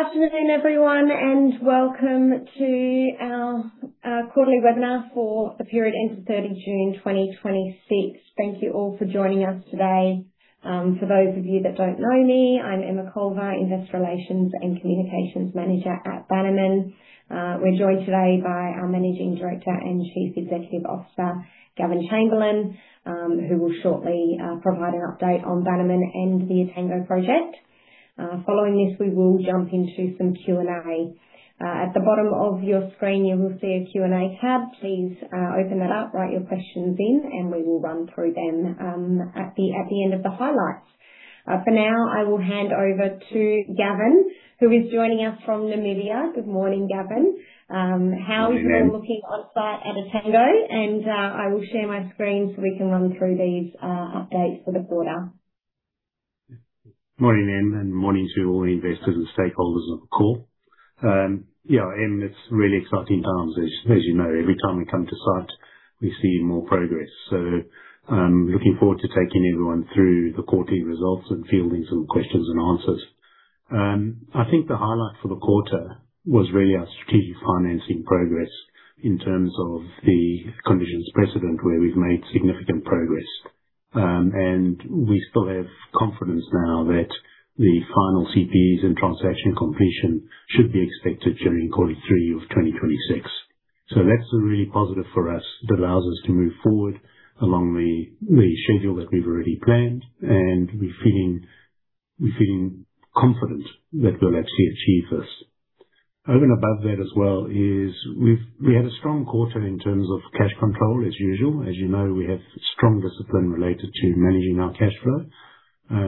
Afternoon, everyone. Welcome to our quarterly webinar for the period ending 30 June 2026. Thank you all for joining us today. For those of you that don't know me, I'm Emma Culver, Investor Relations and Communications Manager at Bannerman. We're joined today by our Managing Director and Chief Executive Officer, Gavin Chamberlain, who will shortly provide an update on Bannerman and the Etango Project. Following this, we will jump into some Q&A. At the bottom of your screen, you will see a Q&A tab. Please open that up, write your questions in, and we will run through them at the end of the highlights. For now, I will hand over to Gavin, who is joining us from Namibia. Good morning, Gavin. Morning, Em. How are things looking on-site at Etango? I will share my screen so we can run through these updates for the quarter. Morning, Em. Morning to all the investors and stakeholders on the call. Yeah, Em, it's really exciting times. As you know, every time we come to site, we see more progress. Looking forward to taking everyone through the quarterly results and fielding some questions and answers. I think the highlight for the quarter was really our strategic financing progress in terms of the Conditions Precedent, where we've made significant progress. We still have confidence now that the final CPs and transaction completion should be expected during quarter three of 2026. That's really positive for us. That allows us to move forward along the schedule that we've already planned. We're feeling confident that we'll actually achieve this. Over and above that as well is we had a strong quarter in terms of cash control as usual. As you know, we have strong discipline related to managing our cash flow.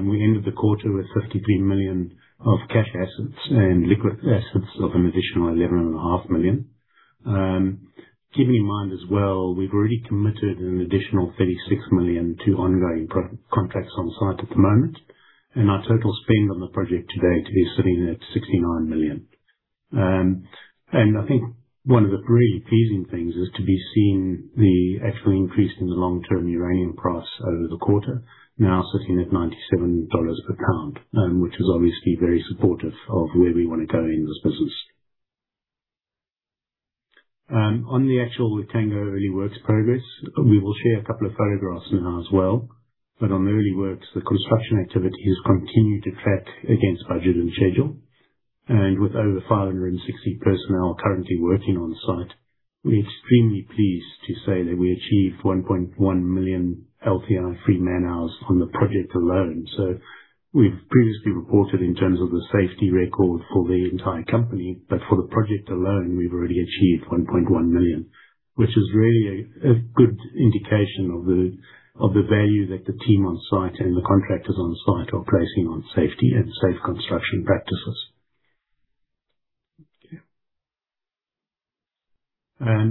We ended the quarter with 53 million of cash assets and liquid assets of an additional 11.5 million. Keeping in mind as well, we've already committed an additional 36 million to ongoing contracts on-site at the moment. Our total spend on the project today to be sitting at 69 million. I think one of the really pleasing things is to be seeing the actual increase in the long-term uranium price over the quarter, now sitting at 97 dollars per pound, which is obviously very supportive of where we want to go in this business. On the actual Etango early works progress, we will share a couple of photographs now as well, but on the early works, the construction activity has continued to track against budget and schedule. With over 560 personnel currently working on-site, we're extremely pleased to say that we achieved 1.1 million LTI-free man-hours on the project alone. We've previously reported in terms of the safety record for the entire company, but for the project alone, we've already achieved 1.1 million, which is really a good indication of the value that the team on-site and the contractors on-site are placing on safety and safe construction practices. As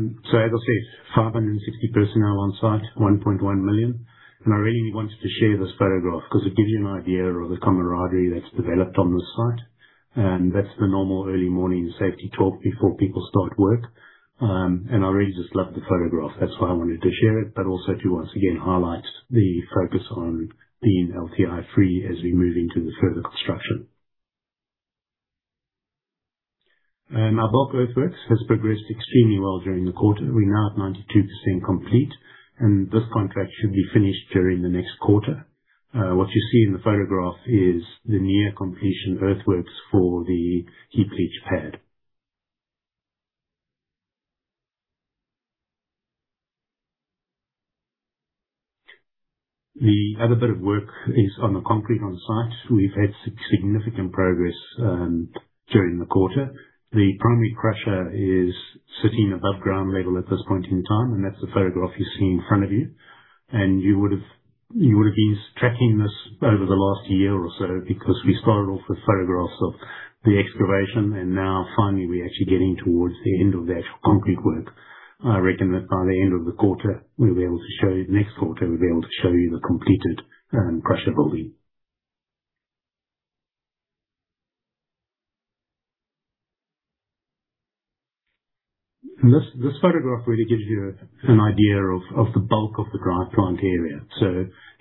I said, 560 personnel on-site, 1.1 million. I really wanted to share this photograph because it gives you an idea of the camaraderie that's developed on this site. That's the normal early morning safety talk before people start work. I really just love the photograph. That's why I wanted to share it, but also to once again highlight the focus on being LTI-free as we move into the further construction. Our bulk earthworks has progressed extremely well during the quarter. We're now at 92% complete, and this contract should be finished during the next quarter. What you see in the photograph is the near completion earthworks for the heap leach pad. The other bit of work is on the concrete on-site. We've had significant progress during the quarter. The primary crusher is sitting above ground level at this point in time, and that's the photograph you see in front of you. You would have been tracking this over the last year or so because we started off with photographs of the excavation, now finally, we're actually getting towards the end of the actual concrete work. I reckon that by the end of the quarter, we'll be able to show you-- next quarter, we'll be able to show you the completed crusher building. This photograph really gives you an idea of the bulk of the dry plant area.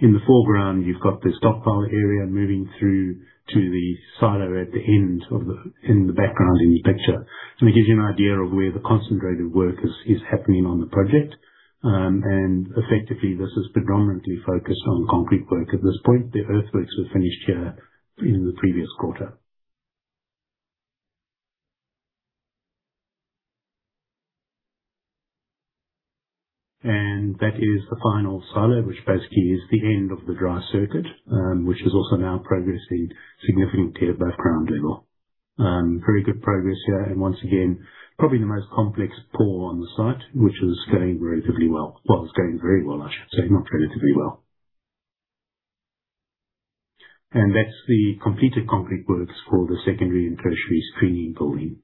In the foreground, you've got the stockpile area moving through to the silo at the end of the-- in the background in the picture. So it gives you an idea of where the concentrated work is happening on the project. Effectively, this is predominantly focused on concrete work at this point. The earthworks were finished here in the previous quarter. That is the final silo, which basically is the end of the dry circuit, which is also now progressing significantly above ground level. Very good progress here. Once again, probably the most complex pour on the site, which is going relatively well. Well, it's going very well, I should say, not relatively well. That's the completed concrete works for the secondary and tertiary screening building.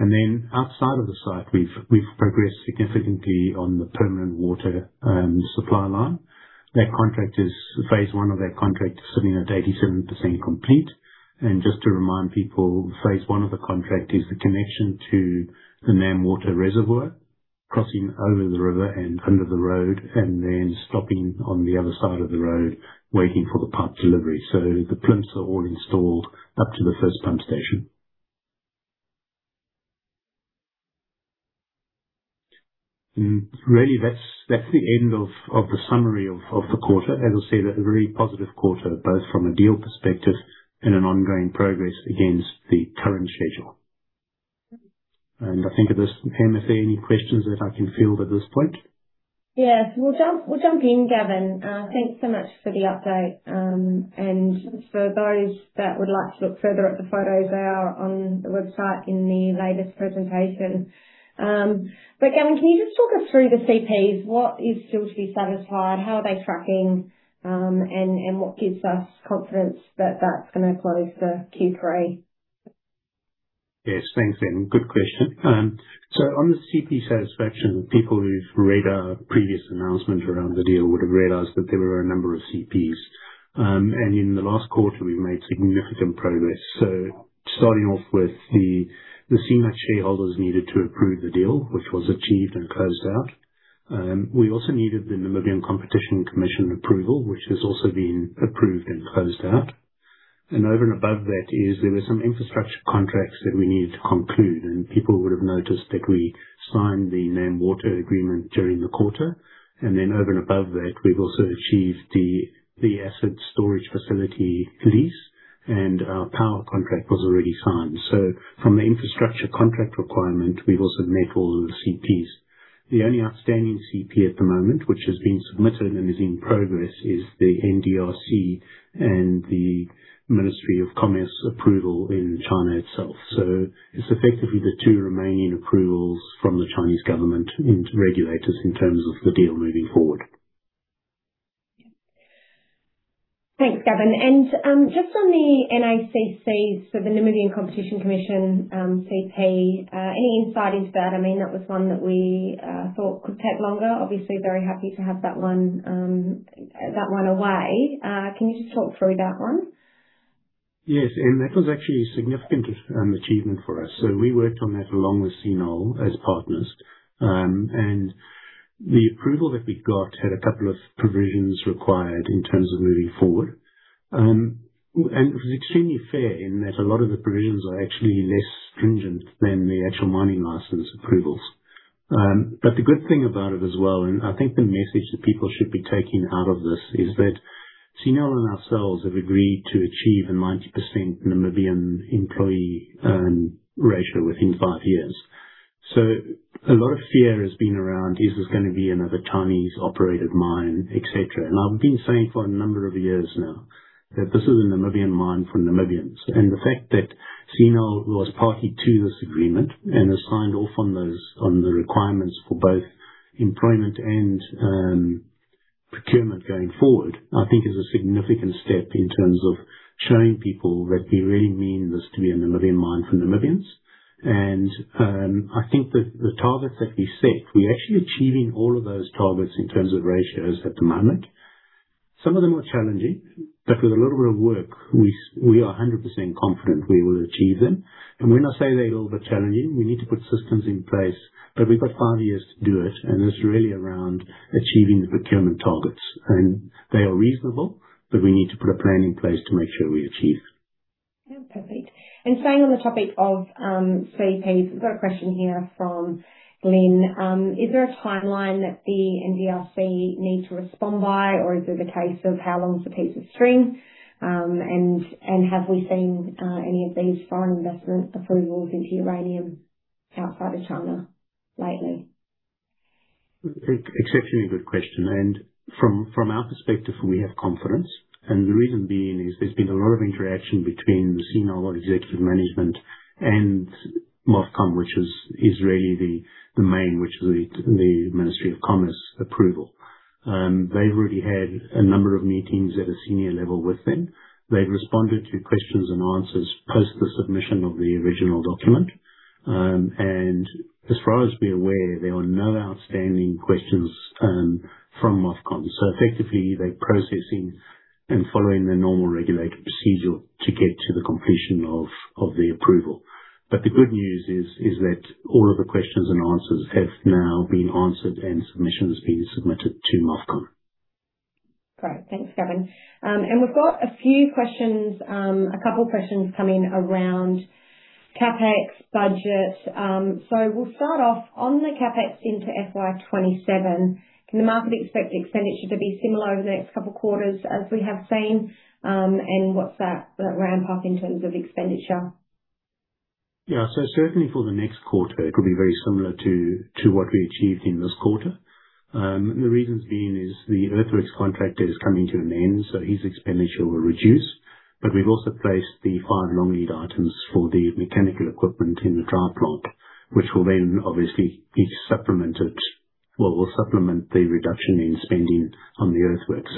Outside of the site, we've progressed significantly on the permanent water supply line. Phase 1 of that contract is sitting at 87% complete. Just to remind people, phase 1 of the contract is the connection to the NamWater reservoir. Crossing over the river and under the road, then stopping on the other side of the road, waiting for the pipe delivery. The plinths are all installed up to the first pump station. Really, that's the end of the summary of the quarter. As I said, a very positive quarter, both from a deal perspective and an ongoing progress against the current schedule. I think at this, Emma, is there any questions that I can field at this point? Yes. We'll jump in, Gavin. Thanks so much for the update. For those that would like to look further at the photos, they are on the website in the latest presentation. Gavin, can you just talk us through the CPs? What is still to be satisfied? How are they tracking? What gives us confidence that's going to close for Q3? Yes. Thanks, Emma. Good question. On the CP satisfaction, people who've read our previous announcement around the deal would have realized that there were a number of CPs. In the last quarter, we've made significant progress. Starting off with the Sinomax shareholders needed to approve the deal, which was achieved and closed out. We also needed the Namibian Competition Commission approval, which has also been approved and closed out. Over and above that is there were some infrastructure contracts that we needed to conclude, and people would have noticed that we signed the NamWater agreement during the quarter. Over and above that, we've also achieved the acid storage facility lease and our power contract was already signed. From the infrastructure contract requirement, we've also met all of the CPs. The only outstanding CP at the moment, which has been submitted and is in progress, is the NDRC and the Ministry of Commerce approval in China itself. It is effectively the two remaining approvals from the Chinese government and regulators in terms of the deal moving forward. Thanks, Gavin. Just on the NaCC, so the Namibian Competition Commission CP, any insight into that? I mean, that was one that we thought could take longer. Obviously, very happy to have that one away. Can you just talk through that one? Yes. That was actually a significant achievement for us. We worked on that along with CNOL as partners. The approval that we got had a couple of provisions required in terms of moving forward. It was extremely fair in that a lot of the provisions are actually less stringent than the actual mining license approvals. The good thing about it as well, and I think the message that people should be taking out of this is that CNOL and ourselves have agreed to achieve a 90% Namibian employee ratio within five years. A lot of fear has been around, is this going to be another Chinese-operated mine, et cetera. I have been saying for a number of years now that this is a Namibian mine for Namibians. The fact that CNOL was party to this agreement and has signed off on the requirements for both employment and procurement going forward, I think is a significant step in terms of showing people that we really mean this to be a Namibian mine for Namibians. I think that the targets that we set, we are actually achieving all of those targets in terms of ratios at the moment. Some of them are challenging, but with a little bit of work, we are 100% confident we will achieve them. When I say they are a little bit challenging, we need to put systems in place, but we have got five years to do it, and it is really around achieving the procurement targets. They are reasonable, but we need to put a plan in place to make sure we achieve. Yeah. Perfect. Staying on the topic of CPs, we've got a question here from Glenn. Is there a timeline that the NDRC needs to respond by? Or is it a case of how long's a piece of string? Have we seen any of these foreign investment approvals into uranium outside of China lately? Exceptionally good question. From our perspective, we have confidence. The reason being is there's been a lot of interaction between the CNOL executive management and MOFCOM, which is really the main, which is the Ministry of Commerce approval. They've already had a number of meetings at a senior level with them. They've responded to questions and answers post the submission of the original document. As far as we're aware, there are no outstanding questions from MOFCOM. Effectively, they're processing and following their normal regulated procedure to get to the completion of the approval. The good news is that all of the questions and answers have now been answered and submissions being submitted to MOFCOM. Great. Thanks, Gavin. We've got a few questions, a couple of questions come in around CapEx budget. We'll start off on the CapEx into FY 2027. Can the market expect expenditure to be similar over the next couple of quarters as we have seen? What's that ramp up in terms of expenditure? Yeah. Certainly for the next quarter, it will be very similar to what we achieved in this quarter. The reasons being is the earthworks contractor is coming to an end, his expenditure will reduce. But we've also placed the five long lead items for the mechanical equipment in the dry plant, which will then obviously be supplemented. Well, we'll supplement the reduction in spending on the earthworks.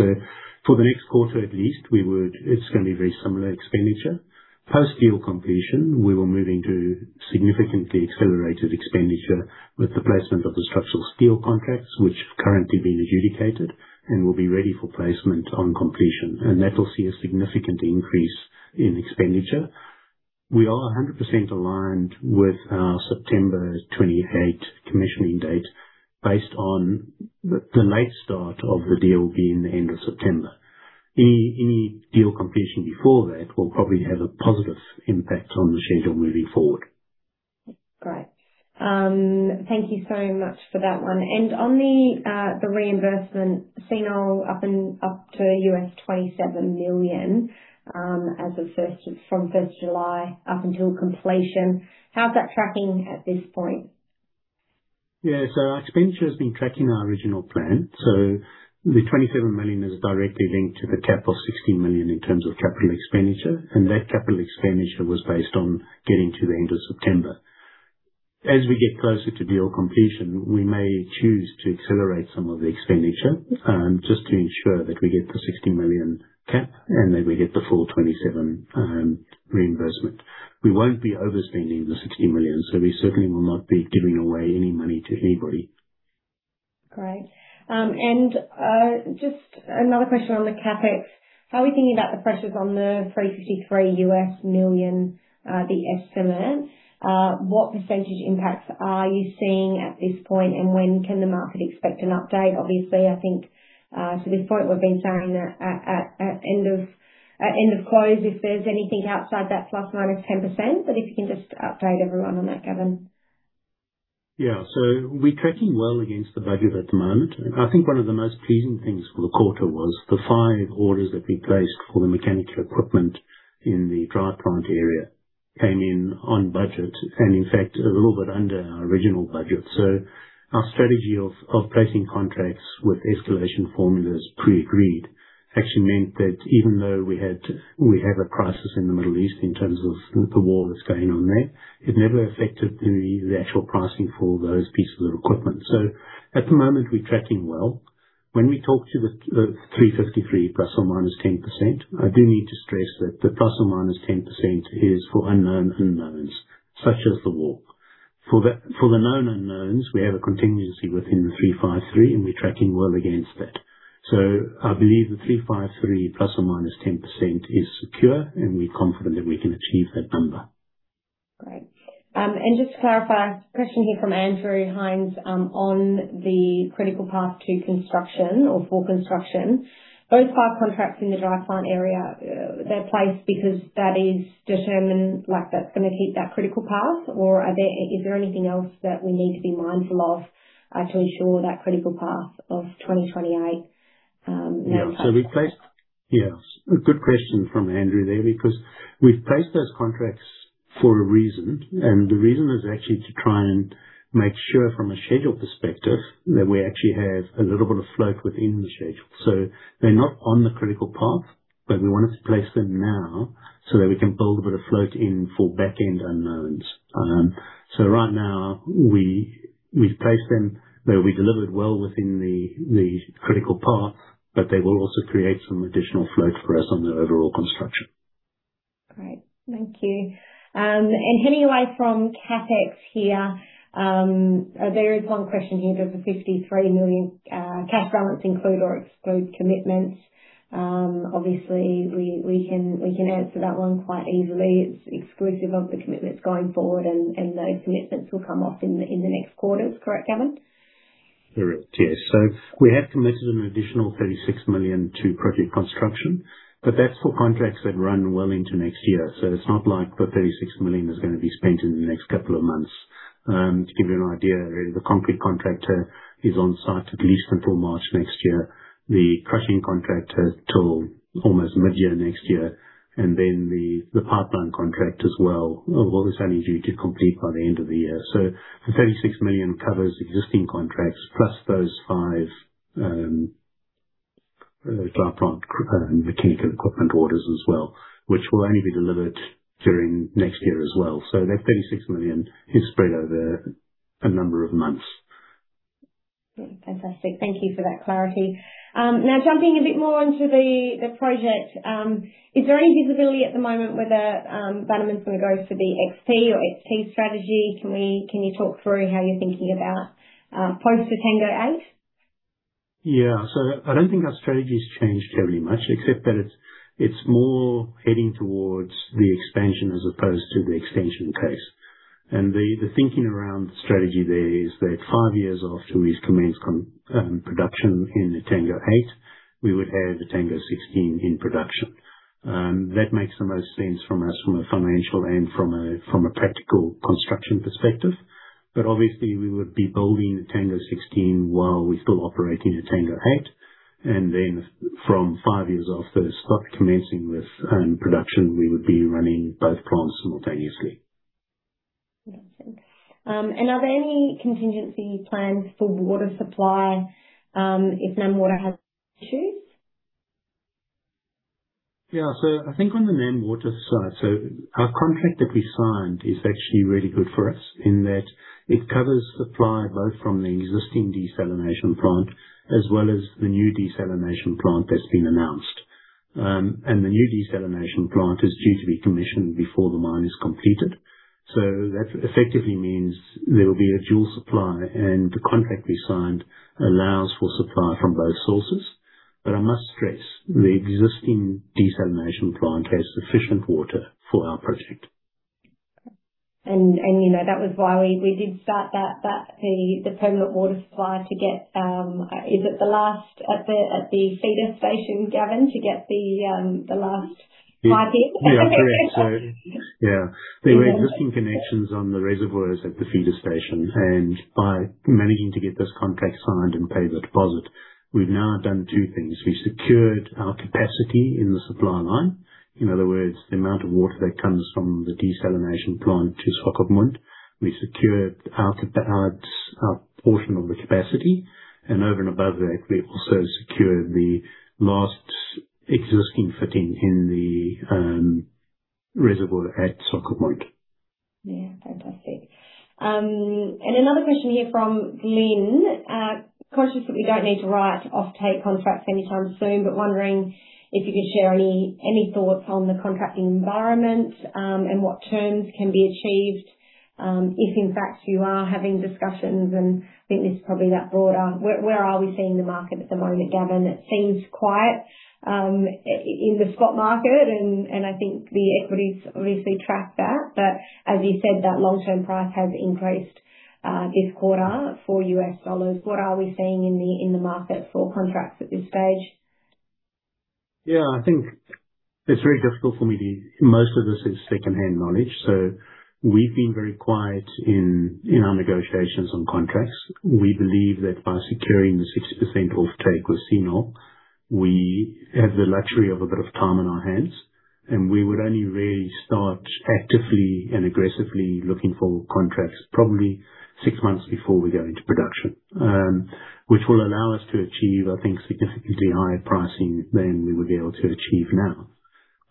For the next quarter, at least, it's going to be very similar expenditure. Post-deal completion, we will move into significantly accelerated expenditure with the placement of the structural steel contracts, which are currently being adjudicated and will be ready for placement on completion. That will see a significant increase in expenditure. We are 100% aligned with our September 28 commissioning date based on the late start of the deal being the end of September. Any deal completion before that will probably have a positive impact on the schedule moving forward. Great. Thank you so much for that one. On the reimbursement, CNOL up to 27 million from 1st of July up until completion. How's that tracking at this point? Our expenditure has been tracking our original plan. The 27 million is directly linked to the cap of 16 million in terms of capital expenditure, and that capital expenditure was based on getting to the end of September. As we get closer to deal completion, we may choose to accelerate some of the expenditure, just to ensure that we get the 16 million cap and that we get the full 27 reimbursement. We won't be overspending the 16 million, we certainly will not be giving away any money to anybody. Great. Just another question on the CapEx. How are we thinking about the pressures on the 353 million, the estimate? What percentage impacts are you seeing at this point, and when can the market expect an update? Obviously, I think to this point, we've been saying that at end of close, if there's anything outside that ±10%, if you can just update everyone on that, Gavin. We're tracking well against the budget at the moment. I think one of the most pleasing things for the quarter was the five orders that we placed for the mechanical equipment in the dry plant area came in on budget, and in fact, a little bit under our original budget. Our strategy of placing contracts with escalation formulas pre-agreed actually meant that even though we have a crisis in the Middle East in terms of the war that's going on there, it never affected the actual pricing for those pieces of equipment. At the moment, we're tracking well. When we talk to the 353 ±10%, I do need to stress that the ±10% is for unknown unknowns, such as the war. For the known unknowns, we have a contingency within the 353. We're tracking well against that. I believe the 353 ±10% is secure. We're confident that we can achieve that number. Great. Just to clarify, a question here from Andrew Hines on the critical path to construction or for construction. Those five contracts in the dry plant area, they're placed because that is determined like that's going to hit that critical path, or is there anything else that we need to be mindful of to ensure that critical path of 2028? Yeah. Good question from Andrew there, because we've placed those contracts for a reason. The reason is actually to try and make sure from a schedule perspective, that we actually have a little bit of float within the schedule. They're not on the critical path. We wanted to place them now so that we can build a bit of float in for back-end unknowns. Right now, we've placed them where we delivered well within the critical path. They will also create some additional float for us on the overall construction. Great. Thank you. Heading away from CapEx here, there is one question here. Does the 53 million cash balance include or exclude commitments? Obviously, we can answer that one quite easily. It's exclusive of the commitments going forward, and those commitments will come off in the next quarters. Correct, Gavin? Correct. Yes. We have committed an additional 36 million to project construction, but that's for contracts that run well into 2025. It's not like the 36 million is going to be spent in the next couple of months. To give you an idea, the concrete contractor is on site at least until March 2025, the crushing contractor till almost mid-2025, and then the pipeline contract as well. All this only due to complete by the end of 2025. The 36 million covers existing contracts plus those five dry plant mechanical equipment orders as well, which will only be delivered during 2025 as well. That 36 million is spread over a number of months. Fantastic. Thank you for that clarity. Jumping a bit more into the project. Is there any visibility at the moment whether Bannerman is going to go for the XT or XP strategy? Can you talk through how you're thinking about post Etango-8? Yeah. I don't think our strategy has changed terribly much except that it's more heading towards the expansion as opposed to the extension case. The thinking around the strategy there is that five years after we've commenced production in Etango-8, we would have Etango-16 in production. That makes the most sense from us from a financial and from a practical construction perspective. Obviously, we would be building Etango-16 while we're still operating Etango-8. From five years after start commencing with production, we would be running both plants simultaneously. Fantastic. Are there any contingency plans for water supply, if NamWater has issues? Yeah. I think on the NamWater side, our contract that we signed is actually really good for us in that it covers supply both from the existing desalination plant as well as the new desalination plant that's been announced. The new desalination plant is due to be commissioned before the mine is completed. That effectively means there will be a dual supply, and the contract we signed allows for supply from both sources. I must stress, the existing desalination plant has sufficient water for our project. That was why we did start the permanent water supply. Is it the last at the feeder station, Gavin, to get the last pipe in? Yeah. There were existing connections on the reservoirs at the feeder station. By managing to get this contract signed and pay the deposit, we've now done two things. We've secured our capacity in the supply line, in other words, the amount of water that comes from the desalination plant to Swakopmund. We secured our portion of the capacity. Over and above that, we also secured the last existing fitting in the reservoir at Swakopmund. Fantastic. Another question here from Lynn. "Conscious that we don't need to write offtake contracts anytime soon, but wondering if you could share any thoughts on the contracting environment, and what terms can be achieved, if in fact you are having discussions." I think this is probably that broader, where are we seeing the market at the moment, Gavin? It seems quiet in the spot market and I think the equities obviously track that. As you said, that long-term price has increased this quarter for US dollars. What are we seeing in the market for contracts at this stage? Most of this is secondhand knowledge. We've been very quiet in our negotiations on contracts. We believe that by securing the 60% offtake with Sino, we have the luxury of a bit of time on our hands, and we would only really start actively and aggressively looking for contracts probably six months before we go into production. Which will allow us to achieve, I think, significantly higher pricing than we would be able to achieve now.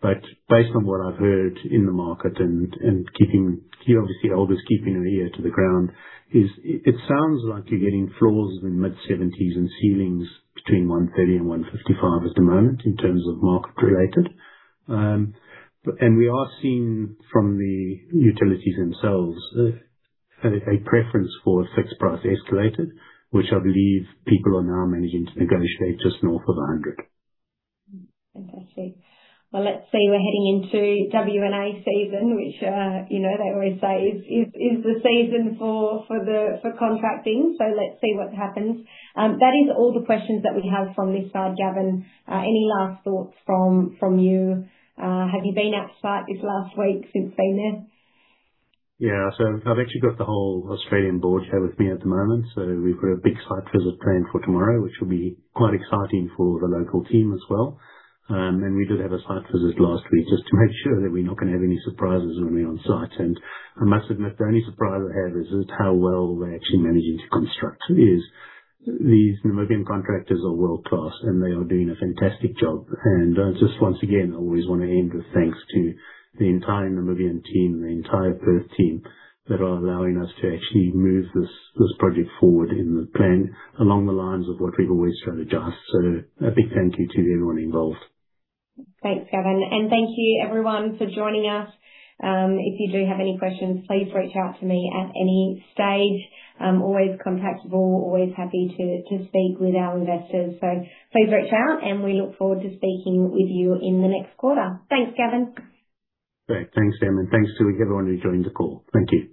Based on what I've heard in the market and obviously always keeping an ear to the ground is, it sounds like you're getting floors in mid-70s and ceilings between $130 and $155 at the moment in terms of market related. We are seeing from the utilities themselves a preference for fixed-price escalated, which I believe people are now managing to negotiate just north of $100. Fantastic. Well, let's see, we're heading into WNA season, which they always say is the season for contracting. Let's see what happens. That is all the questions that we have from this side, Gavin. Any last thoughts from you? Have you been on site this last week since being there? I've actually got the whole Australian board here with me at the moment. We've got a big site visit planned for tomorrow, which will be quite exciting for the local team as well. We did have a site visit last week just to make sure that we're not going to have any surprises when we're on site. I must admit, the only surprise I have is just how well they're actually managing to construct. These Namibian contractors are world-class, and they are doing a fantastic job. Just once again, I always want to end with thanks to the entire Namibian team and the entire Perth team that are allowing us to actually move this project forward in the plan along the lines of what we've always strategized. A big thank you to everyone involved. Thanks, Gavin, and thank you everyone for joining us. If you do have any questions, please reach out to me at any stage. I'm always contactable, always happy to speak with our investors, please reach out and we look forward to speaking with you in the next quarter. Thanks, Gavin. Great. Thanks, Emma, and thanks to everyone who joined the call. Thank you.